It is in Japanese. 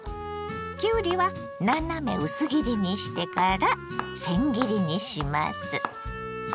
きゅうりは斜め薄切りにしてからせん切りにします。